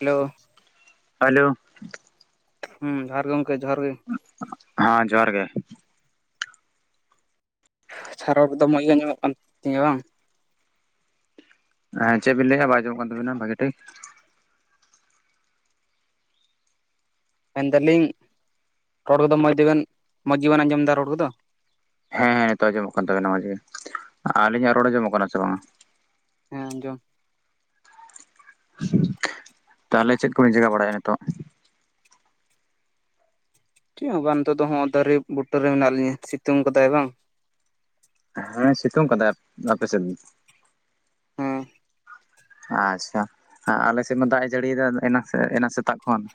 Hello hello ᱡᱚᱦᱟᱨ ᱜᱮ ᱜᱚᱝᱠᱮ ᱡᱚᱦᱟᱨ ᱜᱮ? ᱦᱟᱸ ᱡᱚᱦᱟᱨ ᱜᱮ, ᱟᱪᱪᱷᱟ ᱨᱳᱲ ᱠᱳᱫᱳ ᱢᱚᱡ ᱜᱮ ᱟᱸᱢᱚᱢᱚᱜ ᱠᱟᱱ ᱛᱤᱧᱟ ᱵᱟᱝ? ᱮᱸ ᱪᱮᱫ ᱵᱤᱱ ᱞᱟᱹᱭᱮᱜᱼᱟ ᱵᱟᱭ ᱟᱸᱡᱚᱢᱚᱜ ᱠᱟᱱ ᱛᱟᱵᱤᱱᱟ ᱵᱷᱟᱜᱤ ᱴᱷᱤᱠ? ᱢᱮᱱ ᱫᱟᱞᱤᱧ ᱨᱚᱨ ᱠᱚᱫᱚ ᱢᱚᱡᱽ ᱜᱮᱵᱮᱱ ᱢᱚᱡᱽ ᱜᱮᱵᱮᱱ ᱟᱸᱡᱚᱢ ᱮᱫᱟ ᱨᱚᱲ ᱠᱚᱫᱚ? ᱦᱮᱸ ᱱᱤᱛᱚᱜ ᱟᱸᱡᱚᱢᱚᱜ ᱠᱟᱱ ᱛᱟᱵᱮᱱᱟ ᱢᱚᱡᱽ ᱜᱮ, ᱟᱹᱞᱤᱧᱟᱜ ᱨᱚᱲ ᱟᱸᱡᱚᱢᱚᱜ ᱠᱟᱱᱟ ᱥᱮ ᱵᱟᱝᱼᱟ? ᱦᱮᱸ ᱟᱸᱡᱚᱢ, ᱛᱟᱦᱚᱞᱮ ᱪᱮᱫ ᱠᱚᱵᱮᱱ ᱪᱤᱠᱟᱹ ᱵᱟᱲᱟᱭᱮᱜᱼᱟ ᱱᱤᱛᱳᱜ? ᱪᱮᱫ ᱦᱚᱸ ᱵᱟᱝ ᱱᱤᱛᱚᱜ ᱫᱚ ᱦᱚᱸᱜ ᱫᱟᱨᱮ ᱵᱩᱴᱟᱹ ᱨᱮ ᱢᱮᱱᱟᱜ ᱞᱤᱧᱟ, ᱥᱤᱛᱩᱝ ᱠᱟᱫᱟᱭ ᱵᱟᱝ ᱾ ᱦᱮᱸ ᱥᱤᱛᱩᱝ ᱠᱟᱫᱟᱭ ᱟᱯᱮ ᱥᱮᱫᱽ, ᱦᱮᱸ ᱟᱪᱪᱷᱟ, ᱟᱞᱮ ᱥᱮᱫ ᱢᱟ ᱫᱟᱜ ᱮ ᱡᱟᱹᱲᱤᱭᱮᱫᱟ ᱮᱱᱟ ᱮᱱᱟᱱ ᱥᱮᱛᱟᱜ ᱠᱷᱚᱱ ᱾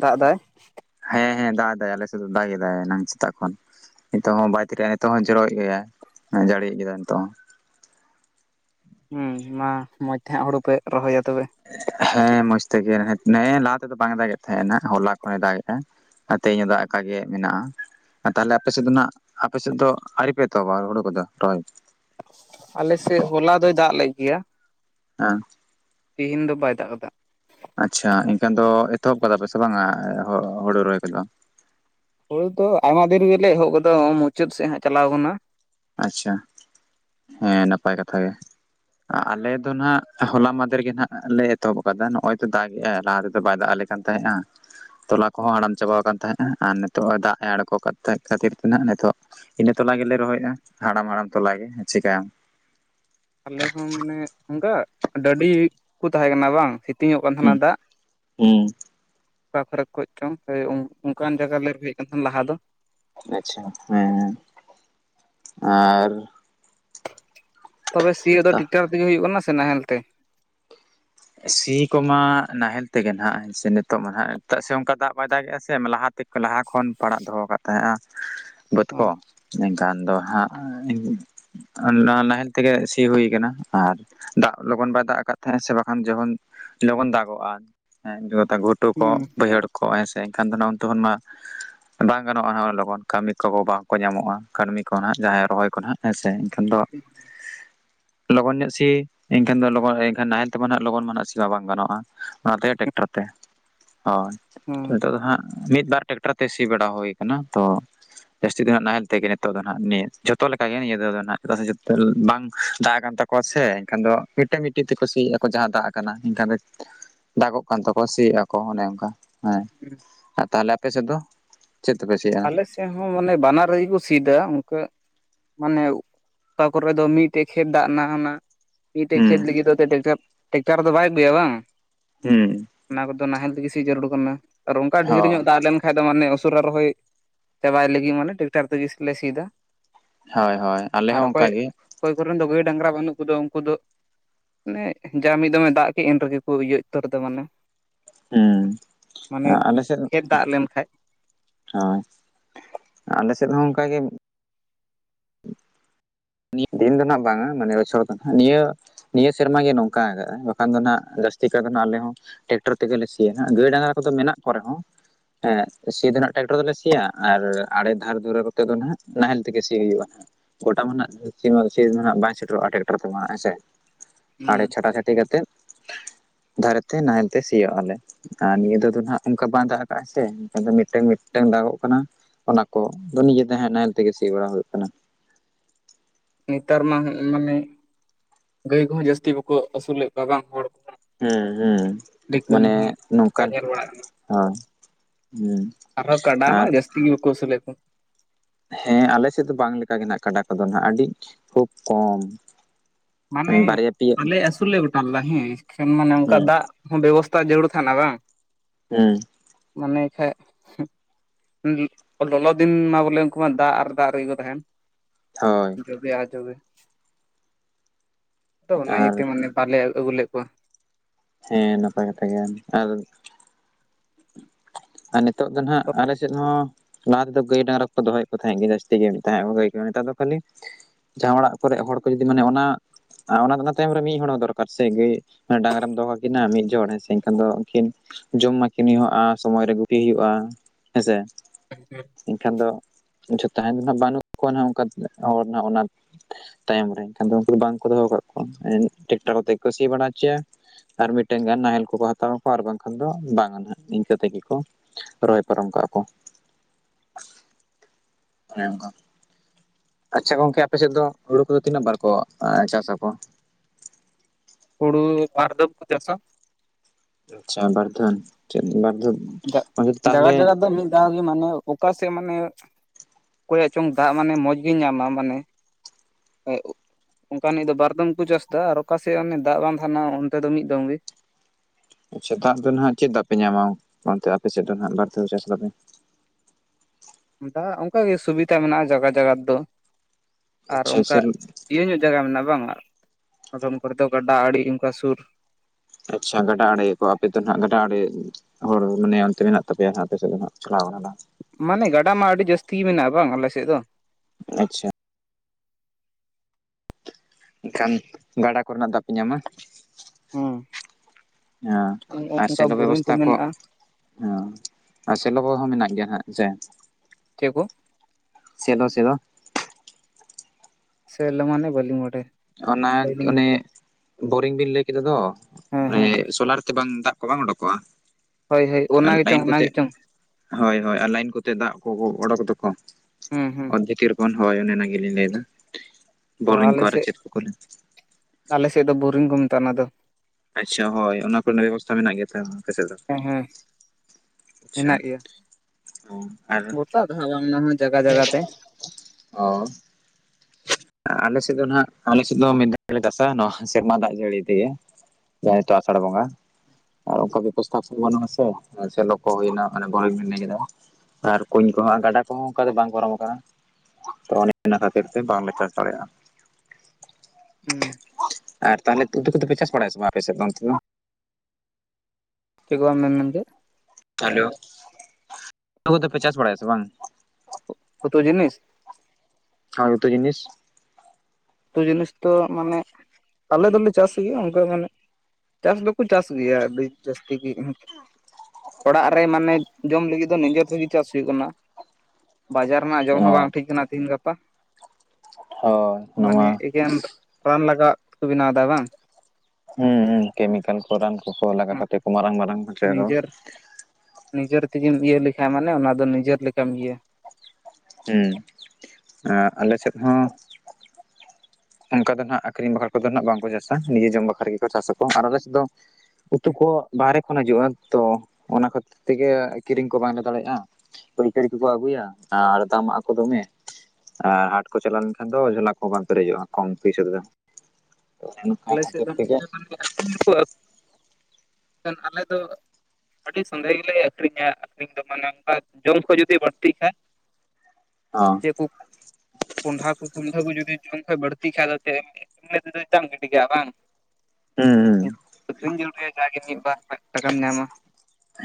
ᱫᱟᱜ ᱫᱟᱭ, ᱦᱮᱸ ᱦᱮᱸ ᱫᱟᱜ ᱮᱫᱟᱭ ᱟᱞᱮ ᱥᱮᱫᱚ ᱫᱟᱜ, ᱮᱫᱟᱭ ᱮᱱᱟᱝ ᱥᱮᱛᱟᱜ ᱠᱷᱚᱱ ᱾ ᱱᱤᱛᱚᱜ ᱦᱚᱸ ᱵᱟᱭ ᱛᱤᱠᱟᱭᱟ ᱱᱤᱛᱚᱜ ᱦᱚᱸ ᱡᱚᱨᱚᱭᱮᱜ ᱜᱮᱭᱟᱭ, ᱡᱟᱹᱲᱤᱭᱮᱫᱟᱭ ᱱᱤᱛᱚᱜ ᱦᱚᱸ ᱾ ᱦᱩᱸ ᱢᱟ ᱢᱚᱸᱡᱽ ᱛᱮ ᱦᱟᱸᱜ ᱦᱩᱲᱩ ᱯᱮ ᱨᱚᱦᱚᱭᱟ ᱛᱚᱵᱮ? ᱦᱮᱸ ᱢᱚᱡᱽ ᱛᱮᱜᱮᱸ, ᱱᱮ ᱮ ᱞᱟᱦᱟ ᱛᱮᱫᱚ ᱵᱟᱝ ᱫᱟᱜ ᱮᱫ ᱛᱟᱦᱮᱸᱱᱟ ᱦᱚᱞᱟ ᱠᱷᱚᱱᱮ ᱫᱟᱜ ᱮᱼᱟ ᱾ ᱟᱨ ᱛᱤᱦᱮᱧ ᱦᱳ ᱫᱟᱜ ᱟᱠᱟᱫ ᱜᱮ ᱢᱮᱱᱟᱜᱼᱟ ᱾ ᱟᱸ ᱛᱟᱦᱚᱞᱮ ᱟᱯᱮᱥᱮᱫ ᱫᱚ ᱱᱟᱜ, ᱟᱯᱮᱥᱮᱫ ᱫᱚ ᱟᱣᱨᱤᱯᱮ ᱮᱛᱚᱦᱚᱵᱟ ᱦᱩᱲᱩ ᱠᱚᱫᱚ ᱨᱚᱦᱚᱭ? ᱟᱞᱮᱥᱮᱫ ᱦᱚᱞᱟ ᱫᱚᱭ ᱫᱟᱜ ᱞᱮᱜ ᱜᱮᱭᱟ ᱾ [unintelligible] ᱛᱤᱦᱤᱧ ᱫᱚ ᱵᱟᱭ ᱫᱟᱜ ᱠᱟᱫᱟ ᱾ ᱟᱪᱪᱷᱟ ᱮᱱᱠᱷᱟᱱ ᱫᱚ ᱮᱛᱚᱦᱚᱵ ᱠᱟᱫᱟ ᱯᱮ ᱥᱮ ᱵᱟᱝᱼᱟ ᱦᱚ-ᱦᱩᱲᱩ ᱨᱚᱦᱚᱭ ᱠᱚᱫᱚ? ᱦᱳᱲᱩ ᱫᱚ ᱟᱭᱢᱟ ᱫᱤᱱ ᱜᱮᱞᱮ ᱮᱦᱚᱵ ᱠᱟᱫᱟ ᱦᱚᱦᱚᱸᱢᱩᱪᱟᱹᱫ ᱥᱮᱫ ᱦᱟᱸᱜ ᱪᱟᱞᱟᱣ ᱠᱟᱱᱟ᱾ ᱟᱪᱪᱷᱟ ᱦᱮᱸ ᱱᱟᱯᱟᱭ ᱠᱟᱛᱷᱟ ᱜᱮ᱾ ᱟ-ᱟᱞᱮ ᱫᱚ ᱱᱟᱦᱟᱜ ᱦᱚᱞᱟ ᱢᱟᱸᱫᱮᱨ ᱜᱮ ᱱᱟᱦᱟᱜ ᱞᱮ ᱮᱛᱚᱦᱚᱵ ᱠᱟᱫᱟ, ᱱᱚᱜᱼᱚᱭ ᱛᱚ ᱫᱟᱜ ᱜᱮᱼᱟᱭ ᱞᱟᱦᱟ ᱛᱮᱫᱚ ᱵᱟᱭ ᱫᱟᱜ ᱟᱞᱮ ᱠᱟᱱ ᱛᱟᱦᱮᱸᱜᱼᱟ ᱛᱚᱞᱟ ᱠᱚᱦᱚᱸ ᱦᱟᱲᱟᱢ ᱪᱟᱵᱟ ᱠᱟᱱ ᱛᱟᱦᱮᱸᱜ᱾ ᱟᱨ ᱱᱤᱛᱚᱜ ᱫᱟᱜ ᱮ ᱟᱬᱜᱳ ᱠᱟᱜ ᱠᱷᱟᱹᱛᱤᱨ ᱛᱮ ᱱᱟᱦᱟᱜ ᱱᱤᱛᱚᱜ ᱤᱱᱟᱹ ᱛᱚᱞᱟ ᱜᱮᱞᱮ ᱨᱚᱦᱚᱭᱮᱜᱼᱟ᱾ ᱦᱟᱲᱟᱢ ᱦᱟᱲᱟᱢ ᱛᱚᱞᱟ ᱜᱮ ᱪᱤᱠᱟᱭᱟᱢ᱾ ᱟᱞᱮ ᱦᱚᱸ ᱢᱟᱱᱮ ᱚᱝᱠᱟ ᱰᱟᱹᱰᱤ ᱠᱚ ᱛᱟᱦᱮᱸ ᱠᱟᱱᱟ ᱵᱟᱝ ᱦᱤ ᱛᱤᱧᱚᱜ ᱠᱟᱱ ᱛᱟᱦᱮᱱᱟ ᱦᱩᱸ ᱫᱟᱜ᱾ ᱦᱩᱸ ᱚᱠᱟ ᱠᱷᱚᱨᱚᱠ ᱠᱷᱚᱡ ᱪᱚᱝ ᱦᱳᱭ ᱚᱱᱠᱟᱱ ᱡᱟᱜᱟ [unintelligible] ᱞᱟᱦᱟ ᱫᱚ᱾ ᱟᱪᱪᱷᱟ ᱦᱮᱸ ᱟᱨ ᱛᱚᱵᱮ ᱥᱤᱭᱳᱜ ᱫᱚ ᱴᱤᱠᱴᱟᱨ ᱛᱮᱜᱮ ᱦᱩᱭᱩᱜ ᱠᱟᱱᱟ ᱥᱮ ᱱᱟᱦᱮᱞ? ᱛᱮ? ᱥᱤ ᱠᱚᱢᱟ ᱱᱟᱦᱮᱞ ᱛᱮᱜᱮ ᱱᱟᱦᱟᱜ ᱦᱮᱸᱥᱮ ᱱᱤᱛᱚᱜ ᱢᱟ ᱱᱟᱦᱟᱜ ᱫᱟᱜᱥᱮ ᱚᱝᱠᱟ ᱫᱟᱜ ᱵᱟᱭ ᱫᱟᱜᱮᱜᱼᱟ ᱥᱮ ᱞᱟᱦᱟ ᱛᱮ ᱠᱚ ᱞᱟᱦᱟ ᱠᱷᱚᱱ ᱯᱟᱲᱟᱜ ᱫᱚᱦᱚᱣ ᱠᱟᱜ ᱛᱟᱦᱮᱸᱜᱼᱟ ᱵᱟᱹᱫᱽ ᱠᱚ᱾ ᱱᱮᱠᱟᱱ ᱫᱚ ᱦᱟᱸᱜ ᱤᱱ ᱱᱟ-ᱱᱟᱦᱮᱞ ᱛᱮᱜᱮ ᱥᱤ ᱦᱩᱭ ᱠᱟᱱᱟ, ᱟᱨ ᱫᱟᱜ ᱞᱚᱜᱚᱱ ᱵᱟᱭ ᱫᱟᱜ ᱠᱟᱫ ᱛᱟᱦᱮᱸᱜᱼᱟ ᱥᱮ ᱵᱟ ᱟᱢ ᱡᱚᱦᱚᱱ ᱞᱚᱜᱚᱱ ᱫᱟᱜᱚᱜᱼᱟ ᱦᱮᱸ ᱡᱚᱛᱚ ᱜᱷᱩᱴᱚ ᱠᱚ ᱦᱚᱸ ᱵᱟᱹᱭᱦᱟᱹᱲ ᱠᱚᱜᱼᱚ ᱦᱮᱸ ᱥᱮ ᱮᱱᱠᱷᱟᱱ ᱫᱚ ᱚᱱᱛᱮ ᱠᱷᱚᱱ ᱢᱟ ᱵᱟᱝ ᱜᱟᱱᱚᱜᱼᱟ ᱦᱚᱸᱜᱼᱚᱭ ᱞᱚᱜᱚᱱ ᱠᱟᱹᱢᱤ ᱠᱚ ᱵᱟᱝᱠᱚ ᱧᱟᱢᱚᱜᱼᱟ ᱠᱟᱹᱱᱢᱤ ᱠᱚ ᱱᱟᱦᱟᱜ ᱡᱟᱦᱟᱸᱭ ᱨᱚᱦᱚᱭ ᱠᱚ ᱱᱟᱦᱟᱜ ᱦᱮᱸᱥᱮ᱾ ᱠᱷᱟᱱᱫᱚ ᱫᱚ ᱞᱚᱜᱚᱱ ᱧᱚᱜ ᱥᱤ ᱮᱱᱠᱷᱟᱱ ᱫᱚ ᱞᱚᱜᱚᱱ ᱮᱱᱠᱷᱟᱱ ᱱᱟᱦᱮᱞ ᱛᱚᱵᱮ ᱱᱟᱦᱟᱜ ᱞᱚᱜᱚᱱ ᱢᱟ ᱱᱟᱦᱟᱜ ᱥᱤᱢᱟ ᱵᱟᱝ ᱜᱟᱱᱚᱜᱼᱟ ᱚᱱᱟᱛᱮ ᱴᱮᱠᱴᱟᱨ ᱛᱮ ᱦᱳᱭ ᱦᱚᱸ ᱱᱤᱛᱚᱜ ᱫᱚ ᱦᱟᱸᱜ ᱢᱤᱫᱵᱟᱨ ᱴᱮᱠᱠᱴᱟᱨ ᱛᱮ ᱥᱤ ᱵᱟᱲᱟ ᱦᱩᱭ ᱠᱟᱱᱟ ᱛᱚ ᱡᱟᱹᱥᱛᱤ ᱫᱚᱜ ᱱᱟᱦᱮᱞ ᱛᱮᱜᱮ ᱱᱤᱛᱚᱜ ᱫᱚ ᱦᱟᱜ ᱱᱤᱭᱟᱹ ᱡᱚᱛᱚ ᱞᱮᱠᱟᱜᱮ ᱱᱤᱭᱟᱹ ᱫᱚ ᱱᱟᱜ ᱪᱮᱫᱟᱜ ᱥᱮ ᱵᱟᱝ ᱫᱟᱜ ᱠᱟᱱ ᱛᱟᱠ ᱠᱚᱥᱮ ᱮᱱᱠᱷᱟᱱ ᱫᱚ ᱢᱤᱫᱴᱮᱱ ᱢᱤᱫᱴᱤᱡ ᱛᱮ ᱠᱩᱥᱤᱭᱟᱜᱼᱟ᱾ ᱠᱚ ᱡᱟᱦᱟᱸ ᱫᱟᱜ ᱠᱟᱱᱟ ᱮᱱᱠᱷᱟᱱ ᱫᱚ ᱫᱟᱜᱚᱜ ᱠᱟᱱ ᱛᱟᱠᱚᱣᱟ ᱥᱤᱭᱮᱜ ᱟᱠᱚ ᱚᱱᱮ ᱚᱝᱠᱟ᱾ ᱦᱮᱸ ᱟᱨ ᱛᱟᱦᱞᱮ ᱟᱯᱮ ᱥᱮᱫ ᱫᱚ ᱪᱮᱫ ᱛᱮᱯᱮ ᱥᱤᱭᱟᱹᱜᱼᱟ? ᱮᱱᱦᱚᱸ ᱢᱟᱱᱮ ᱵᱟᱱᱟᱨ ᱨᱮᱜᱮ ᱠᱚ ᱥᱤᱫᱟ ᱚᱝᱠᱟ ᱢᱟᱱᱮ ᱚᱠᱟ ᱠᱚᱨᱮ ᱫᱚ ᱢᱤᱫᱴᱮᱜ ᱠᱷᱮᱛ ᱫᱟᱜ ᱱᱟ ᱚᱱᱟ ᱢᱤᱫᱴᱮᱜ ᱦᱩᱸ ᱠᱷᱮᱛ ᱞᱟᱜᱤᱫᱚ ᱛᱮ ᱴᱮᱠᱴᱟᱨ ᱴᱮᱠᱴᱟᱨ ᱫᱚ ᱵᱟᱭ ᱟᱜᱩᱭᱟ ᱵᱟᱝ᱾ ᱦᱩᱸ ᱚᱱᱟ ᱠᱚᱫᱚ ᱱᱟᱦᱮᱞ ᱛᱮᱜᱮ ᱥᱤ ᱡᱟᱹᱨᱩᱲ ᱠᱟᱱᱟ ᱟᱨ ᱚᱝᱠᱟ ᱰᱷᱮᱨ ᱦᱳᱭ ᱧᱚᱜ ᱫᱟᱜ ᱞᱮᱱᱠᱷᱟᱱ ᱫᱚ ᱢᱟᱱᱮ ᱩᱥᱟᱹᱨᱟ ᱨᱚᱦᱚᱭ ᱪᱟᱵᱟᱭ ᱞᱟᱜᱤ ᱢᱟᱱᱮ ᱴᱤᱠᱴᱟᱨ ᱛᱮᱜᱮ ᱥᱤ ᱞᱮ ᱥᱤᱭᱫᱟ᱾ ᱦᱳᱭ ᱦᱳᱭ ᱟᱞᱮ ᱦᱚᱸ ᱚᱝᱠᱟ ᱜᱮ᱾ ᱚᱠᱚᱭ ᱠᱚᱨᱮᱱ ᱫᱚ ᱜᱟᱹᱭ ᱰᱟᱝᱨᱟ ᱵᱟᱹᱱᱩᱜ ᱠᱚᱫᱚ ᱩᱝᱠᱩ ᱫᱚ ᱢᱟᱱᱮ ᱡᱟ ᱢᱤᱫ ᱫᱚᱢᱮ ᱫᱟᱜ ᱠᱮᱫ ᱮᱱ ᱨᱮᱜᱮ ᱠᱚ ᱤᱭᱟᱹ ᱩᱛᱟᱹᱨ ᱫᱟ ᱢᱟᱱᱮ᱾ ᱦᱩᱸ ᱢᱟᱱᱮ ᱠᱷᱮᱫ ᱫᱟᱜ ᱞᱮᱱᱠᱷᱟᱡ᱾ ᱦᱚᱸᱭ ᱟᱞᱮ ᱥᱮᱫ ᱦᱚᱸ ᱚᱝᱠᱟᱜᱮ᱾ ᱱᱤ ᱫᱤᱱ ᱫᱚ ᱱᱟᱦᱟᱜ ᱵᱟᱝᱼᱟ ᱢᱟᱱᱮ ᱵᱚᱪᱷᱚᱨ ᱫᱚ ᱱᱟᱦᱟᱜ ᱱᱤᱭᱟᱹ ᱱᱤᱭᱟᱹ ᱥᱮᱨᱢᱟ ᱜᱮ ᱱᱚᱝᱠᱟᱣ ᱠᱟᱜᱼᱟ, ᱵᱟᱠᱷᱟᱱ ᱫᱚ ᱱᱟᱦᱟᱜ ᱡᱟᱹᱛᱤ ᱠᱟᱭ ᱫᱚ ᱟᱞᱮ ᱦᱚᱸ ᱴᱮᱠᱴᱚᱨ ᱛᱮᱜᱮᱞᱮ ᱥᱤᱭᱟ ᱦᱟᱸᱜ ᱜᱟᱹᱭ ᱰᱟᱝᱨᱟ ᱠᱚᱫᱚ ᱢᱮᱱᱟᱜ ᱠᱚ ᱨᱮᱦᱚᱸ ᱦᱮᱸ ᱥᱤ ᱫᱚ ᱱᱟᱦᱟᱜ ᱴᱮᱠᱴᱚᱨ ᱛᱮᱞᱮ ᱥᱤᱭᱟ ᱟᱨ ᱟᱲᱮ ᱫᱷᱟᱨᱮ ᱫᱷᱩᱨᱟᱹ ᱠᱟᱛᱮ ᱫᱚ ᱱᱟᱦᱟᱜ ᱱᱟᱦᱮᱞ ᱛᱮᱜᱮ ᱥᱤ ᱦᱩᱭᱩᱜᱼᱟ᱾ ᱜᱚᱴᱟ ᱢᱟ ᱦᱟᱸᱜ ᱥᱤ ᱥᱤ ᱫᱚ ᱱᱟᱦᱟᱜ ᱵᱟᱭ ᱥᱮᱴᱮᱨᱚᱜᱼᱟ ᱴᱨᱟᱠᱴᱟᱨ ᱛᱮᱢᱟ ᱦᱮᱸ ᱥᱮ᱾ ᱦᱩᱸ ᱟᱲᱮ ᱪᱷᱟᱴᱟᱼᱪᱷᱟᱴᱤ ᱠᱟᱛᱮᱫ ᱫᱷᱟᱨᱮ ᱛᱮ ᱱᱟᱦᱮᱞ ᱛᱮ ᱥᱤᱭᱳᱜ ᱟᱞᱮ᱾ ᱟᱨ ᱱᱤᱭᱟᱹ ᱫᱷᱟᱣ ᱫᱚ ᱱᱟᱦᱟᱜ ᱚᱝᱠᱟ ᱵᱟᱝ ᱫᱟᱜ ᱠᱟᱜᱼᱟᱭ ᱥᱮ ᱠᱷᱟᱱ ᱫᱚ ᱢᱤᱫᱴᱟᱝ ᱢᱤᱫᱴᱟᱝ ᱫᱟᱜᱚᱜ ᱠᱟᱱᱟ᱾ ᱚᱱᱟ ᱠᱚ ᱫᱚ ᱱᱤᱡᱮᱛᱮ ᱦᱮ ᱱᱟᱦᱮᱞ ᱛᱮᱜᱮ ᱥᱤ ᱵᱟᱲᱟ ᱦᱩᱭᱩᱜ ᱠᱟᱱᱟ᱾ ᱱᱮᱛᱟᱨ ᱢᱟᱦᱟᱜ ᱢᱟᱱᱮ ᱜᱟᱹᱭ ᱠᱚᱦᱚᱸ ᱡᱟᱹᱥᱛᱤ ᱵᱟᱠᱚ ᱟᱹᱥᱩᱞᱮᱜ ᱠᱚᱣᱟ ᱵᱟᱝ ᱦᱚᱲ ᱠᱚ᱾ ᱦᱩᱸ ᱦᱩᱸ ᱢᱟᱱᱮ ᱚᱱᱠᱟ ᱱᱚᱝᱠᱟᱱ ᱧᱮᱞ ᱵᱟᱲᱟᱜ ᱠᱟᱱᱟ ᱦᱳᱭ ᱦᱩᱸ ᱟᱨᱦᱚᱸ ᱠᱟᱰᱟ ᱟᱨ ᱢᱟ ᱡᱟᱹᱥᱛᱤ ᱜᱮ ᱵᱟᱠᱚ ᱟᱹᱣᱥᱩᱞᱮᱜ ᱠᱚ᱾ ᱦᱮᱸ ᱟᱞᱮ ᱥᱮᱫ ᱫᱚ ᱵᱟᱝ ᱞᱮᱠᱟᱜ ᱜᱮ ᱱᱟᱦᱟᱜ ᱠᱟᱰᱟ ᱠᱚᱫᱚ ᱱᱟᱦᱟᱜ ᱟᱹᱰᱤ ᱠᱷᱩᱵ ᱠᱚᱢ᱾ ᱢᱟᱱᱮ ᱵᱟᱨᱭᱟ ᱯᱮᱭᱟ ᱟᱞᱮ ᱟᱹᱥᱩᱞ ᱞᱮ ᱜᱚᱴᱟ ᱞᱮᱫᱟ ᱦᱮᱸ ᱮᱠᱷᱮᱱ ᱢᱟᱱᱮ ᱚᱱᱠᱟ ᱦᱩᱸ ᱫᱟᱜ- ᱦᱚ ᱵᱮᱵᱚᱥᱛᱟ ᱡᱟᱨᱩᱲ ᱛᱟᱦᱮᱱᱟ ᱵᱟᱝ? ᱦᱮᱸ ᱢᱟᱱᱮ ᱠᱷᱟᱡ ᱞᱚᱞᱚ ᱫᱤᱱ ᱢᱟ ᱵᱚᱞᱮ ᱩᱱᱠᱩ ᱢᱟ ᱫᱟᱜ ᱟᱨ ᱫᱟᱜ ᱨᱮᱜᱮ ᱠᱚ ᱛᱟᱦᱮᱱ ᱦᱳᱭ ᱡᱚᱵᱮ ᱟᱨ ᱡᱚᱵᱮ, ᱛᱚ ᱚᱱᱟ ᱟᱨ ᱤᱭᱟᱹᱛᱮ ᱢᱟᱱᱮ ᱵᱟᱞᱮ ᱟᱹᱜᱩ ᱞᱮᱫ ᱠᱚᱣᱟ᱾ ᱦᱮᱸ ᱱᱟᱯᱟᱭ ᱠᱟᱛᱷᱟ ᱜᱮᱭᱟ ᱟᱨᱼᱼ ᱟᱨ ᱱᱤᱛᱚᱜ ᱫᱚ ᱦᱟᱜ ᱟᱞᱮᱥᱮᱫ ᱦᱚᱸᱼᱼ ᱞᱟᱦᱟ ᱛᱮᱫᱚ ᱜᱟᱹᱭ ᱰᱟᱝᱨᱟ ᱠᱚ ᱫᱚᱦᱚᱭᱮᱫ ᱠᱚ ᱛᱟᱦᱮᱸᱫ ᱜᱮ ᱡᱟᱹᱥᱛᱤ ᱜᱮ ᱛᱟᱦᱮᱸᱫ ᱠᱟᱹᱭ ᱠᱚ ᱱᱮᱛᱟᱨ ᱫᱚ ᱠᱷᱟᱹᱞᱤᱼ ᱡᱟᱦᱟᱸ ᱚᱲᱟᱜ ᱠᱚᱨᱮ ᱦᱚᱲ ᱠᱚ ᱡᱩᱫᱤ ᱢᱟᱱᱮ ᱚᱱᱟ ᱚᱱᱟ ᱚᱱᱟ ᱛᱟᱭᱚᱢ ᱨᱮ ᱢᱤᱫ ᱦᱚᱲ ᱦᱚᱸ ᱫᱚᱨᱠᱟᱨ ᱥᱮ, ᱰᱟᱝᱨᱟᱢ ᱫᱚᱦᱚ ᱠᱤᱱᱟᱹ ᱢᱤᱫ ᱡᱚᱲ ᱦᱮᱸᱥᱮ ᱮᱱᱠᱷᱟᱱ ᱫᱚ ᱩᱱᱠᱤᱱ ᱡᱚᱢ ᱢᱟᱠᱤᱱᱼ [inaudible] ᱦᱩᱭᱩᱜᱼᱟ ᱥᱚᱢᱚᱭ ᱨᱮ ᱜᱩᱯᱤ ᱦᱩᱭᱩᱜᱼᱟ ᱦᱮᱸᱥᱮ [unintelligible] ᱮᱱᱠᱷᱟᱱ ᱫᱚ ᱡᱷᱚ ᱛᱟᱦᱮᱱ ᱫᱚ ᱦᱟᱸᱜ ᱵᱟᱹᱱᱩᱜ ᱠᱚᱣᱟᱜ ᱚᱱᱠᱟ ᱦᱚᱲ ᱱᱟᱦᱟᱜ ᱚᱱᱟ ᱛᱟᱭᱚᱢ ᱨᱮ, ᱟᱫᱚ ᱩᱱᱠᱩ ᱫᱚ ᱵᱟᱝᱠᱚ ᱫᱚᱦᱚ ᱠᱟᱜ ᱠᱚᱣᱟ ᱴᱮᱠᱴᱟᱨ ᱠᱚᱛᱮ ᱠᱚ ᱥᱤ ᱵᱟᱲᱟ ᱦᱚᱪᱚᱭᱟ ᱟᱨ ᱢᱤᱫᱴᱮᱱ ᱜᱟᱱ ᱱᱟᱦᱮᱞ ᱠᱚᱠᱚ ᱦᱟᱛᱟᱣᱟᱠᱚ ᱟᱨ ᱵᱟᱝᱠᱷᱟᱱ ᱫᱚ ᱵᱟᱝ᱾ ᱤᱝᱠᱟᱹ ᱛᱮᱜᱮ ᱠᱚ ᱨᱚᱦᱚᱭ ᱯᱟᱨᱚᱢ ᱠᱟᱜᱼᱟ ᱠᱚ᱾ [unintelligible] ᱟᱪᱪᱷᱟ ᱜᱚᱝᱠᱮ ᱟᱯᱮ ᱥᱮᱫ ᱫᱚ ᱦᱩᱲᱩ ᱠᱚᱫᱚ ᱛᱤᱱᱟᱹᱜ ᱵᱟᱨ ᱠᱚ ᱪᱟᱥᱟ ᱠᱚ? ᱦᱲᱩ ᱵᱟᱨᱫᱚᱢ ᱠᱚ ᱪᱟᱥᱟ᱾ ᱟᱪᱪᱷᱟ ᱵᱟᱨᱫᱷᱚᱱ ᱪᱮᱫ ᱵᱟᱨᱫᱷᱚᱱ? ᱡᱟᱭᱜᱟ ᱡᱟᱭᱜᱟ ᱫᱚ ᱢᱤᱫ ᱫᱷᱟᱣ ᱜᱮ ᱢᱟᱱᱮ ᱚᱠᱟ ᱥᱮᱫ ᱢᱟᱱᱮᱼ ᱚᱠᱚᱭᱟᱜ ᱪᱚᱝ ᱫᱟᱜ ᱢᱟᱱᱮ ᱢᱚᱡᱽ ᱜᱮ ᱧᱟᱢᱟ ᱢᱟᱱᱮᱼᱼ ᱚᱱᱠᱟᱱᱤᱡ ᱫᱚ ᱵᱟᱨ ᱫᱚᱢ ᱠᱚ ᱪᱟᱥ ᱫᱟ ᱟᱨ ᱚᱠᱟᱥᱮᱫ ᱚᱱᱮ ᱫᱟᱜ ᱵᱟᱝ ᱛᱟᱦᱮᱱᱟ ᱚᱱᱛᱮ ᱫᱚ ᱢᱤᱫ ᱫᱚᱢ ᱜᱮ᱾ ᱟᱪᱪᱷᱟ ᱫᱟᱜ ᱫᱚ ᱱᱟᱦᱟᱜ ᱪᱮᱫ ᱫᱟᱜ ᱯᱮ ᱧᱟᱢᱟ ᱚᱱᱛᱮ ᱟᱯᱮ ᱥᱮᱫ ᱫᱚ ᱦᱟᱜ ᱵᱟᱹᱨ ᱫᱷᱟᱣ ᱪᱟᱥᱫᱟᱯᱮ? ᱫᱟᱜ ᱚᱱᱠᱟᱜ ᱜᱮ ᱥᱩᱵᱤᱛᱟ ᱢᱮᱱᱟᱜᱼᱟ ᱡᱟᱜᱟ ᱡᱟᱜᱟ ᱫᱚ ᱟᱨ ᱟᱪᱪᱷᱟ ᱚᱱᱠᱟ ᱥᱮᱞ ᱤᱭᱟᱹ ᱧᱚᱜᱼᱼ ᱡᱟᱭᱜᱟ ᱢᱮᱱᱟᱜᱼᱟ ᱵᱟᱝᱼᱟᱫᱚᱢ ᱠᱚᱨᱮ ᱫᱚ ᱜᱟᱰᱟ ᱟᱲᱮ ᱚᱱᱠᱟ ᱥᱩᱨ ᱟᱪᱪᱷᱟ ᱜᱟᱰᱟ ᱟᱲᱮ ᱠᱚ ᱟᱯᱮ ᱫᱚ ᱱᱟᱜ ᱜᱟᱰᱟ ᱟᱲᱮᱼᱼ ᱦᱚᱲ ᱢᱟᱱᱮ ᱚᱱᱛᱮ ᱢᱮᱱᱟᱜ ᱛᱟᱯᱮᱭᱟ ᱦᱟᱸᱜ ᱟᱯᱮᱥᱮᱫ ᱫᱚ ᱦᱟᱸᱜ ᱪᱟᱞᱟᱣ ᱵᱟᱝ ᱢᱟᱱᱮ ᱜᱟᱰᱟ ᱢᱟ ᱟᱹᱰᱤ ᱡᱟᱹᱥᱛᱤ ᱜᱮ ᱢᱮᱱᱟᱜᱼᱟ ᱵᱟᱝ ᱟᱞᱮ ᱥᱮᱫ ᱫᱚ, ᱟᱪᱪᱷᱟ ᱮᱱᱠᱷᱟᱱ ᱜᱟᱰᱟ ᱠᱚᱨᱮᱱᱟᱜ ᱫᱟᱜ ᱯᱮ ᱧᱟᱢᱟ, ᱦᱮᱸ ᱦᱮᱸ ᱟᱨ ᱚᱱᱠᱟ ᱥᱮᱞᱚ ᱵᱳᱨᱤᱝ ᱠᱚ ᱵᱮᱵᱚᱥᱛᱷᱟ ᱠᱚᱼᱼ ᱢᱮᱱᱟᱜᱼᱟ ᱦᱮᱸ ᱟᱨ ᱥᱮᱞᱚ ᱦᱚᱸ ᱢᱮᱱᱟᱜ ᱜᱮᱭᱟ ᱦᱟᱸᱜ ᱥᱮ, ᱪᱮᱫ ᱠᱚ ᱥᱮᱞᱚ ᱥᱮᱞᱚ ᱥᱮᱞ ᱢᱟᱱᱮ ᱵᱟᱞᱤᱧ ᱵᱟᱰᱟᱭᱟ ᱚᱱᱟ ᱞᱟᱹᱭᱞᱤᱧ ᱚᱱᱮ ᱵᱳᱨᱤᱝ ᱵᱤᱱ ᱞᱟᱹᱭ ᱠᱮᱫᱮ ᱫᱚ ᱦᱮᱸ ᱚᱱᱮ ᱦᱮᱸ ᱥᱳᱱᱟᱨᱼ ᱵᱟᱝ ᱫᱟᱜ ᱠᱚ ᱵᱟᱝ ᱳᱰᱳᱠᱚᱜᱼᱟ ᱦᱳᱭ ᱦᱳᱭ ᱚᱱᱟ ᱟᱨ ᱞᱟᱭᱤᱱ ᱜᱮᱪᱚᱝ ᱚᱱᱟ ᱠᱚᱛᱮᱜ ᱜᱮᱪᱚᱝ ᱦᱳᱭ ᱦᱳᱭ ᱟᱨ ᱞᱟᱭᱤᱱ ᱠᱚᱛᱮ ᱫᱟᱜ ᱠᱚᱠᱚ ᱳᱰᱳᱠ ᱫᱚᱠᱚ ᱦᱚᱸ ᱦᱚᱸ ᱚᱛ ᱵᱷᱤᱛᱤᱨ ᱠᱷᱚᱱ ᱦᱚᱭ ᱚᱱᱮ ᱚᱱᱟ ᱜᱮᱞᱤᱧ ᱞᱟᱹᱭ ᱮᱫᱟ᱾ ᱚ ᱵᱳᱨᱤᱝ ᱟᱞᱮ ᱠᱚ ᱟᱨ ᱥᱮᱫ ᱪᱮᱫ ᱠᱚᱠᱚ ᱞᱟᱹᱭ ᱟᱞᱮ ᱥᱮᱫ ᱫᱚ ᱵᱳᱨᱤᱝ ᱠᱚ ᱢᱮᱛᱟᱜᱼᱟ ᱚᱱᱟ ᱫᱚ᱾ ᱟᱪᱪᱷᱟ ᱦᱳᱭ ᱚᱱᱟ ᱠᱚᱨᱮᱱᱟᱜ ᱵᱮᱵᱚᱥᱛᱷᱟ ᱢᱮᱱᱟᱜ ᱜᱮᱭᱟ ᱛᱚ ᱟᱯᱮ ᱥᱮᱫ ᱫᱚ? ᱦᱮᱸ ᱦᱮᱸ ᱟᱪᱪᱷᱟ ᱢᱮᱱᱟᱜ ᱚ ᱟᱨ ᱫᱟᱜ ᱫᱚ ᱦᱮᱱᱟᱜ ᱚᱱᱟᱦᱚ ᱡᱟᱜᱟ ᱡᱟᱜᱟᱛᱮ ᱚ ᱟᱞᱮ ᱥᱮᱫ ᱫᱚ ᱱᱟᱦᱟᱜ ᱟᱞᱮ ᱥᱮᱫ ᱫᱚ ᱢᱤᱫ ᱫᱷᱟᱣ ᱜᱮᱞᱮ ᱪᱟᱥ-ᱟ ᱱᱚᱣᱟᱦᱚ ᱥᱮᱨᱢᱟ ᱫᱟᱜ ᱡᱟᱹᱲᱤ ᱛᱮᱜᱮ ᱡᱟ ᱱᱤᱛᱚᱜ ᱟᱥᱟᱲ ᱵᱚᱝᱜᱟ, ᱟᱨ ᱚᱱᱠᱟ ᱵᱮᱵᱚᱥᱛᱷᱟ ᱠᱚ ᱵᱟᱹᱱᱩᱜ ᱟᱥᱮ ᱥᱮᱞᱚᱠᱚ ᱦᱳᱭᱮᱱᱟ ᱢᱟᱱᱮ ᱵᱚᱨᱤᱧ ᱵᱤᱱ ᱞᱟᱹᱭ ᱠᱮᱫᱟ, ᱟᱨ ᱠᱩᱧ ᱠᱚᱦᱚᱸ ᱜᱟᱰᱟ ᱠᱚᱦᱚᱸ ᱚᱱᱠᱟ ᱫᱚ ᱵᱟᱝ ᱠᱚᱨᱟᱣ ᱟᱠᱟᱱᱟ ᱛᱚ ᱚᱱᱮ ᱚᱱᱟ ᱠᱷᱟᱹᱛᱤᱨ ᱛᱮ ᱵᱟᱝᱞᱮ ᱪᱟᱥ ᱫᱟᱲᱮᱭᱟᱜᱼᱟ ᱾ ᱦᱢ ᱟᱨ ᱛᱟᱦᱚᱞᱮ ᱩᱛᱩ ᱠᱚᱫᱚᱯᱮ ᱪᱟᱥ ᱵᱟᱲᱟᱭᱟ ᱥᱮ ᱵᱟᱝ ᱟᱯᱮ ᱥᱮᱫ ᱫᱚ ᱚᱱᱛᱮ ᱫᱚ? ᱪᱮᱫ [unintelligible] ᱢᱮᱱ ᱢᱮᱱᱠᱮᱫ? ᱦᱮᱞᱳ [unintelligible] ᱠᱚᱫᱚᱯᱮ ᱪᱟᱥ ᱵᱟᱲᱟᱭᱟ ᱥᱮ ᱵᱟᱝ? ᱩᱛᱩ ᱡᱤᱱᱤᱥ? ᱦᱳᱭ ᱩᱛᱩ ᱡᱤᱱᱤᱥ ᱾ ᱩᱛᱩ ᱡᱤᱱᱤᱥ ᱫᱚ ᱢᱟᱱᱮ ᱟᱞᱮ ᱫᱚᱞᱮ ᱪᱟᱥ ᱜᱮᱭᱟ ᱚᱱᱠᱟ ᱢᱟᱱᱮ ᱪᱟᱥ ᱫᱚᱠᱚ ᱪᱟᱥ ᱜᱮᱭᱟ ᱟᱹᱫᱤ ᱡᱟᱹᱥᱛᱤ ᱜᱤ ᱚᱲᱟᱜ ᱨᱮ ᱢᱟᱱᱮ ᱡᱚᱢ ᱞᱟᱹᱜᱤᱫ ᱫᱚ ᱱᱤᱡᱚᱨ ᱛᱮᱜᱮ ᱪᱟᱥ ᱦᱩᱭᱩᱜ ᱠᱟᱱᱟ, ᱵᱟᱡᱟᱨ ᱨᱮᱱᱟᱜ ᱡᱚᱢ ᱦᱚᱸ ᱵᱟᱝ ᱚ ᱴᱷᱤᱠ ᱛᱤᱦᱤᱧ ᱜᱟᱯ ᱦᱳᱭ ᱢᱟᱱᱮ ᱱᱚᱣᱟ ᱮᱠᱮᱱ ᱨᱟᱱ ᱞᱟᱜᱟᱣᱟᱜ ᱠᱚ ᱵᱮᱱᱟᱣ ᱫᱟ ᱵᱟᱝ᱾ ᱦᱚᱸ ᱦᱚᱸ ᱠᱮᱢᱤᱠᱟᱹᱞ ᱠᱚ ᱨᱟᱱ ᱠᱚ ᱞᱟᱜᱟᱣ ᱠᱟᱛᱮ ᱠᱚ ᱢᱟᱨᱟᱝ ᱢᱟᱨᱟᱝ ᱦᱚᱪᱚᱭᱟ ᱠᱚ ᱱᱤᱡᱮᱨ, ᱱᱤᱡᱮᱨ ᱛᱮᱜᱮᱢ ᱤᱭᱟᱹ ᱞᱮᱠᱷᱟᱡ ᱢᱟᱱᱮ ᱚᱱᱟ ᱫᱚ ᱱᱤᱡᱮᱨ ᱞᱮᱠᱟᱢ ᱤᱭᱟᱹ᱾ ᱦᱢ ᱟᱞᱮ ᱥᱮᱫ ᱦᱚᱸ, ᱚᱱᱠᱟ ᱫᱚ ᱱᱟᱦᱟᱜ ᱟᱠᱷᱨᱤᱧ ᱵᱟᱠᱷᱨᱟ ᱠᱚᱫᱚ ᱦᱟᱸᱜ ᱵᱟᱝᱠᱚ ᱪᱟᱥᱟ ᱱᱤᱡᱮ ᱡᱚᱢ ᱵᱟᱠᱷᱨᱟ ᱜᱮᱠᱚ ᱪᱟᱥᱟ ᱠᱚ ᱟᱨ ᱟᱞᱮᱥᱮᱫ ᱫᱚ ᱩᱛᱩ ᱠᱚ ᱵᱟᱦᱨᱮ ᱠᱷᱚᱱ ᱦᱟᱹᱡᱩᱜᱼᱟ, ᱛᱚ ᱚᱱᱟ ᱠᱷᱟᱹᱛᱤᱨ ᱛᱮᱜᱮ ᱠᱤᱨᱤᱧ ᱠᱚ ᱵᱟᱝᱞᱮ ᱫᱟᱲᱮᱭᱟᱜᱼᱟ ᱾ ᱯᱟᱹᱭᱠᱟᱹᱨᱤ ᱠᱚᱠᱚ ᱟᱹᱜᱩᱭᱟ ᱟᱨ ᱫᱟᱢᱟᱜᱼᱟ ᱟᱠᱚ ᱫᱚᱢᱮ ᱟᱨ ᱦᱟᱴ ᱠᱚ ᱪᱟᱞᱟᱣ ᱞᱮᱱᱠᱷᱟᱱ ᱫᱚ ᱡᱷᱚᱞᱟ ᱠᱚᱦᱚᱸ ᱵᱟᱝ ᱯᱮᱨᱮᱡᱚᱜᱼᱟ ᱠᱚᱢ ᱯᱩᱭᱥᱟᱹ ᱨᱮᱫᱚ ᱾ ᱚᱱᱮ ᱚᱱᱠᱟ ᱠᱷᱟᱹᱛᱤᱨ ᱛᱮᱜᱮ᱾ [unintelligible] [inaudible] ᱮᱠᱷᱟᱱ ᱟᱞᱮ ᱫᱚ ᱟᱹᱰᱤ ᱥᱚᱸᱫᱮᱦ ᱜᱮᱞᱮ ᱟᱹᱠᱷᱨᱤᱧᱟ ᱟᱠᱷᱨᱤᱧ ᱫᱚ ᱢᱟᱱᱮ ᱚᱱᱠᱟ ᱡᱚᱢ ᱠᱚ ᱡᱩᱫᱤ ᱵᱟᱹᱲᱛᱤᱜ ᱠᱷᱟᱡ ᱾ ᱦᱚ [inaudible] ᱠᱚᱸᱰᱷᱟ ᱠᱚ ᱠᱩᱞᱰᱷᱟᱹ ᱠᱚ ᱡᱩᱫᱤ ᱡᱚᱢ [unintelligible] ᱵᱟᱹᱲᱛᱤᱜ ᱠᱷᱟᱡ ᱟᱫᱚ ᱪᱮᱫ ᱮᱢ ᱤᱱᱟᱹ ᱛᱮᱫᱚ ᱪᱟᱜ ᱮᱢ ᱜᱤᱰ ᱴᱷᱤᱠ ᱜᱮᱭᱟ ᱵᱟᱝ ᱾ ᱦᱢ ᱟᱹᱠᱷᱨᱤᱧ ᱡᱟᱹᱨᱩᱲ ᱜᱮᱭᱟ ᱡᱟᱸᱦᱟᱜᱮ ᱢᱤᱫᱵᱟᱨ ᱨᱮᱱᱟᱜ ᱴᱟᱠᱟᱢ ᱧᱟᱢᱟ ᱾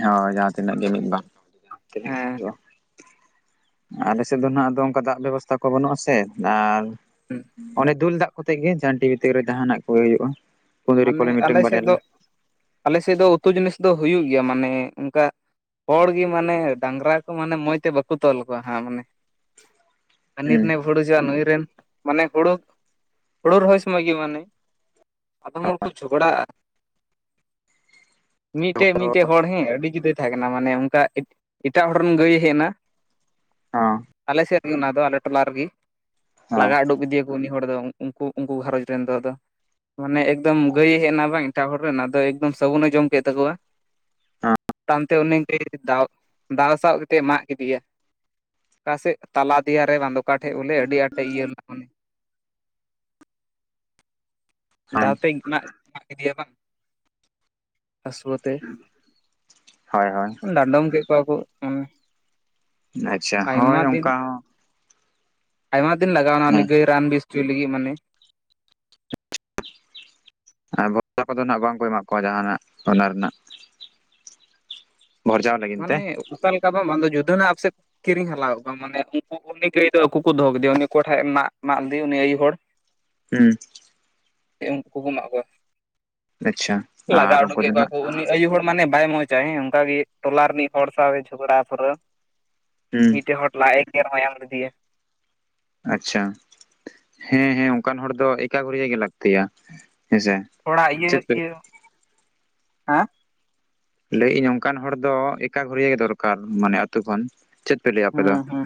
ᱦᱳᱭ ᱡᱟᱦᱟᱸ ᱛᱤᱱᱟᱹᱜ ᱜᱮ ᱢᱤᱫ ᱵᱟᱨ [inaudible] ᱛᱤᱱᱟᱹᱜ ᱦᱮᱸ ᱦᱩᱭᱩᱜᱼᱟ᱾ ᱟᱞᱮᱥᱮᱫ ᱫᱚ ᱱᱟᱦᱟᱜ ᱚᱝᱠᱟ ᱫᱟᱜ ᱵᱮᱵᱚᱥᱛᱷᱟ ᱠᱚ ᱵᱟᱹᱱᱩᱜ ᱟᱥᱮ ᱟᱨ ᱚᱱᱮ ᱫᱩᱞ ᱫᱟᱜ ᱠᱚᱛᱮ ᱜᱮ ᱡᱷᱟᱹᱱᱴᱤ ᱵᱷᱤᱛᱤᱨ ᱨᱮ ᱡᱟᱦᱟᱱᱟᱜ ᱠᱚ ᱦᱩᱭᱩᱜᱼᱟ ᱾ ᱢᱟᱱᱮ ᱟᱞᱮ ᱥᱮᱫ ᱫᱚ ᱟᱞᱮ ᱥᱮᱫ ᱫᱚ ᱩᱛᱩ ᱡᱤᱱᱤᱥ ᱫᱚ ᱦᱩᱭᱩᱜ ᱜᱮᱭᱟ ᱢᱟᱱᱮ ᱚᱱᱠᱟ ᱦᱚᱲ ᱜᱮ ᱢᱟᱱᱮ ᱰᱟᱝᱨᱟ ᱠᱚ ᱢᱟᱱᱮ ᱢᱚᱸᱡᱽ ᱛᱮ ᱵᱟᱹᱠᱩ ᱛᱚᱞ ᱠᱚᱣᱟ ᱦᱟᱸᱜ ᱢᱟᱱᱮ, ᱦᱟᱹᱱᱤ ᱦᱩᱸ ᱨᱮᱱᱮ [unintelligible] ᱱᱩᱭ ᱨᱮᱱ ᱢᱟᱱᱮ ᱦᱩᱲᱩ ᱦᱩᱲᱩ ᱨᱚᱦᱚᱭ ᱥᱚᱢᱚᱭ ᱜᱮ ᱢᱟᱱᱮ ᱟᱫᱚᱢ ᱦᱚᱲ ᱠᱚ ᱡᱷᱚᱜᱽᱲᱟᱜᱼᱟ, ᱢᱤᱫᱴᱮᱡ ᱢᱤᱫᱴᱮᱡ ᱦᱚᱲ ᱦᱮᱸ ᱟᱹᱰᱤ ᱡᱩᱫᱟᱹᱭ ᱛᱟᱦᱮᱸ ᱠᱟᱱᱟ ᱢᱟᱱᱮ ᱚᱱᱠᱟ ᱮᱴᱟᱜ ᱦᱚᱲ ᱨᱮᱱ ᱜᱟᱹᱭ ᱦᱮᱡ ᱮᱱᱟ ᱦᱟᱸ ᱟᱞᱮ ᱥᱮᱫ ᱨᱮᱜᱮ ᱚᱱᱟ ᱫᱚ ᱟᱞᱮ ᱴᱚᱞᱟ ᱨᱮᱜᱮ ᱞᱟᱜᱟ ᱩᱰᱩᱠ ᱠᱤᱫᱤᱭᱟᱠᱚ ᱩᱱᱤ ᱦᱚᱲ ᱫᱚ ᱩᱱᱠᱩ ᱩᱱᱠᱩ ᱜᱷᱟᱨᱚᱧᱡᱽ ᱨᱮᱱ ᱫᱚ ᱟᱫᱚ ᱢᱟᱱᱮ ᱮᱠᱫᱚᱢ ᱜᱟᱹᱭ ᱦᱮᱡ ᱮᱱᱟ ᱵᱟᱝ ᱮᱴᱟᱜ ᱦᱚᱲ ᱨᱮᱱ ᱮᱠᱫᱚᱢ ᱥᱟᱵᱩᱱᱮ ᱡᱚᱢ ᱠᱮᱫ ᱛᱟᱠᱚᱣᱟ, ᱛᱟᱭᱚᱢᱛᱮ ᱩᱱᱤ ᱫᱚᱣ ᱫᱟᱞ, ᱫᱟᱞ ᱥᱟᱵ ᱠᱟᱛᱮᱫ ᱢᱟᱜ ᱠᱮᱫᱮᱭᱟ, ᱚᱠᱟᱥᱮᱫ ᱛᱟᱞᱟ ᱫᱮᱤᱭᱟᱨᱮ ᱵᱟᱝᱫᱚ ᱚᱠᱟ ᱴᱷᱮᱡ ᱵᱚᱞᱮ ᱟᱹᱰᱤ ᱟᱸᱴᱮ ᱤᱭᱟᱹ ᱞᱮᱱᱟ ᱢᱟᱱᱮ ᱦᱚᱸ ᱫᱟᱣ ᱛᱮᱧ ᱢᱟᱜ ᱠᱮᱫᱮᱭᱟ ᱵᱟᱝ [inaudible] ᱦᱟᱹᱥᱩᱣᱟᱹ ᱛᱮ ᱾ [inaudible] ᱦᱳᱭ ᱦᱳᱭ ᱰᱟᱸᱰᱚᱢ ᱠᱮᱫ ᱠᱚᱣᱟ ᱠᱚ ᱢᱟᱱᱮ᱾ ᱟᱪᱪᱷᱟ ᱦᱳᱭ ᱚᱱᱠᱟ ᱦᱚᱸ ᱟᱭᱢᱟ ᱫᱤᱱ ᱞᱟᱜᱟᱣᱮᱱᱟ ᱩᱱᱤ ᱦᱮᱸ ᱜᱟᱹᱭ ᱨᱟᱱ ᱵᱮᱥ ᱚᱪᱚᱭ ᱞᱟᱹᱜᱤᱜ ᱢᱟᱱᱮ ᱟᱨ ᱫᱚᱠᱛᱟ ᱠᱚᱫᱚ ᱱᱟᱜ ᱵᱟᱝ ᱠᱚ ᱮᱢᱟ ᱠᱚᱣᱟ ᱡᱟᱦᱟᱸᱱᱟᱜ ᱚᱱᱟ ᱨᱮᱱᱟᱜ, ᱵᱷᱚᱨᱡᱟᱣ ᱞᱟᱹᱜᱤᱫ ᱛᱮ ᱢᱟᱱᱮ ᱚᱠᱟ ᱞᱮᱠᱟ ᱵᱟᱝ, ᱵᱟᱝ ᱫᱚ ᱡᱩᱫᱟᱹ ᱟᱯᱥᱮᱫ- ᱠᱤᱨᱤᱧ ᱦᱟᱞᱟ ᱟᱫ ᱠᱚᱣᱟᱢ ᱢᱟᱱᱮ ᱩᱱᱠᱩ ᱩᱱᱤ ᱜᱟᱹᱭ ᱫᱚ ᱟᱹᱠᱩ ᱠᱚ ᱫᱚᱦᱚ ᱠᱮᱫᱮᱭᱟ ᱩᱱᱤ ᱚᱠᱚᱭ ᱴᱷᱮᱡ ᱨᱮᱱᱟᱜ ᱢᱟᱜ ᱜᱟᱹᱭ ᱩᱱᱤ ᱟᱹᱭᱩ ᱦᱚᱲ᱾ ᱦᱩᱸ ᱪᱮ, ᱩᱱᱠᱩᱠᱚ ᱮᱢᱟᱜ ᱠᱚᱣᱟ! ᱟᱪᱪᱷᱟ ᱞᱟᱜᱟ ᱟᱨ ᱩᱰᱩᱠ ᱩᱱᱠᱩ ᱠᱮᱫ ᱫᱚ ᱠᱚᱣᱟ ᱱᱟᱜ ᱠᱚ ᱩᱱᱤ ᱟᱹᱭᱩ ᱦᱚᱲ ᱢᱟᱱᱮ ᱵᱟᱭ ᱢᱚᱸᱡᱽ ᱟᱭ ᱦᱮᱸ, ᱚᱸᱠᱟ ᱜᱮ ᱴᱚᱞᱟ ᱨᱤᱱᱤᱡ ᱦᱚᱲ ᱥᱟᱶ ᱮ ᱡᱷᱚᱜᱽᱲᱟ ᱥᱩᱨᱟᱹ ᱦᱩᱸ ᱢᱤᱫᱴᱤᱡ ᱦᱚᱲᱴᱞᱟ ᱮ ᱜᱮᱟᱨ ᱢᱟᱢ ᱞᱤᱫᱮ ᱟᱪᱪᱷᱟ, ᱦᱮᱸ ᱦᱮᱸ ᱚᱸᱠᱟᱱ ᱦᱚᱲ ᱫᱚ ᱮᱠᱟ ᱜᱷᱩᱨᱭᱟᱹ ᱜᱮ ᱞᱟᱠᱛᱤᱭᱟ ᱦᱮᱸᱥᱮ᱾ ᱛᱷᱚᱲᱟ ᱪᱮᱫ ᱤᱭᱟᱹᱜ ᱯᱮ ᱤᱭᱟᱹᱜ! ᱦᱮᱸ? ᱞᱟᱹᱭᱤᱟᱹᱧ ᱚᱸᱠᱟᱱ ᱦᱚᱲ ᱫᱚ ᱮᱠᱟ ᱜᱷᱩᱨᱤᱭᱟᱹ ᱜᱮ ᱫᱚᱨᱠᱟᱨ, ᱢᱟᱱᱮ ᱟᱹᱛᱩ ᱠᱷᱚᱱ᱾ ᱪᱮᱫ ᱯᱮ ᱞᱟᱹᱭᱟ ᱟᱯᱮ ᱫᱚ, ᱦᱩᱸ ᱦᱩᱸ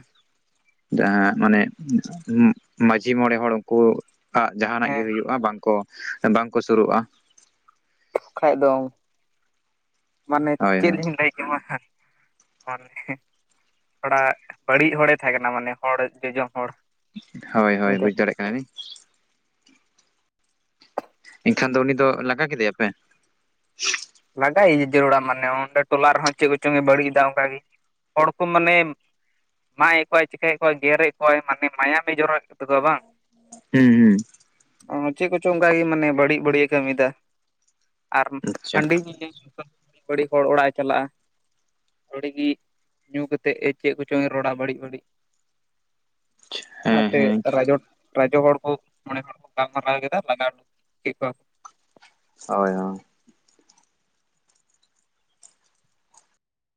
ᱡᱟᱦᱟᱸ ᱢᱟᱱᱮᱜ [unintelligible] ᱢᱟᱺᱡᱷᱤ ᱢᱚᱬᱮ ᱦᱚᱲ ᱩᱱ- ᱠᱚ ᱟᱜ ᱡᱟᱦᱟᱸᱱᱟᱜ ᱜᱮ ᱦᱮᱸ ᱦᱩᱭᱩᱜᱼᱟ ᱵᱟᱝᱠᱚ ᱵᱟᱝᱠᱚ ᱥᱩᱨᱩᱜᱼᱟ? ᱠᱷᱟᱡ ᱫᱚᱝ ᱢᱟᱱᱮ ᱦᱳᱭ ᱪᱮᱫ ᱦᱳᱭ ᱞᱤᱧ ᱞᱟᱹᱭ- ᱦᱮᱸ ᱵᱟᱸᱠᱷᱟᱱ [unintelligible] ᱛᱷᱚᱲᱟᱜ ᱵᱟᱹᱲᱤᱡ ᱦᱚᱲᱮ ᱛᱟᱦᱮᱸ ᱠᱟᱱᱟ ᱢᱟᱱᱮ ᱦᱚᱲ ᱡᱚᱡᱚᱢ ᱦᱚᱲ᱾ [inaudible] ᱦᱳᱭ ᱦᱳᱭ ᱩᱱᱤ ᱫᱚ ᱵᱩᱡᱽ ᱫᱟᱲᱮᱜ ᱠᱟᱱᱟ ᱞᱤᱧ᱾ ᱮᱸᱠᱷᱟᱱ ᱫᱚ ᱩᱱᱤ ᱫᱚ ᱞᱟᱜᱟ ᱠᱮᱫᱮᱭᱟ ᱯᱮ? ᱞᱟᱜᱟᱭᱮᱜᱮ ᱡᱟᱹᱨᱩᱲᱟ ᱢᱟᱱᱮ ᱚᱸᱰᱮ ᱴᱚᱞᱟ ᱨᱮᱦᱚᱸ ᱪᱮᱜ ᱠᱚᱪᱚᱝ ᱮ ᱵᱟᱹᱲᱤᱡ ᱮᱫᱟ ᱚᱸᱠᱟ ᱜᱮ᱾ ᱦᱚᱲᱠᱚ ᱢᱟᱱᱮᱢ ᱢᱟᱜ ᱮᱫ ᱠᱚᱣᱟᱭ ᱪᱤᱠᱟᱹᱭ ᱮᱫ ᱠᱚᱣᱟᱭ ᱜᱮᱨᱮᱫ ᱠᱚᱣᱟᱭ ᱢᱟᱱᱮ ᱢᱟᱭᱟᱢᱮᱭ ᱡᱚᱨᱚ ᱮᱫ ᱛᱟᱠᱚᱣᱟ ᱵᱟᱝ ᱾ ᱦᱩᱸᱱ! ᱦᱩᱸ᱾ ᱚᱸᱻᱪᱮᱜ ᱠᱚᱪᱚᱝ ᱚᱸᱠᱟᱜᱮ ᱢᱟᱱᱮ ᱵᱟᱹᱲᱤᱜ ᱵᱟᱹᱲᱤᱜ ᱮ ᱠᱟᱹᱢᱤ ᱮᱫᱟ ᱾ ᱟᱨ- ᱟᱪᱪᱷᱟ [unintelligible] ᱵᱟᱹᱲᱤᱡ ᱦᱚᱲ ᱚᱲᱟᱜ ᱮ ᱪᱟᱞᱟᱜᱼᱟ᱾ ᱟᱹᱣᱲᱤ ᱜᱤᱜ ᱧᱩ ᱠᱟᱛᱮᱜ ᱮ ᱪᱮᱫ ᱠᱚᱪᱚᱝ ᱮ ᱨᱚᱲᱟ ᱵᱟᱹᱲᱤᱡ ᱵᱟᱹᱲᱤᱡ᱾ ᱦᱮᱸ ᱚᱱᱟᱛᱮᱜ ᱦᱮᱸ ᱨᱟᱡᱚᱴ ᱨᱟᱡᱚ ᱦᱚᱲ ᱠᱚ, ᱢᱚᱬᱮ ᱦᱚᱲ ᱠᱚ ᱜᱟᱞᱢᱟᱨᱟᱣ ᱮ ᱜᱮᱫᱟ ᱞᱟᱜᱟ ᱩᱰᱩᱠ ᱠᱮᱫ ᱠᱚᱣᱟᱠ- ᱦᱳᱭ ᱦᱳᱭ᱾